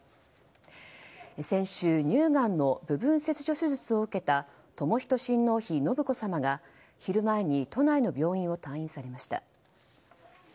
先週、乳がんの部分切除手術を受けた寛仁親王妃信子さまが昼前に都内の病院を退院されました。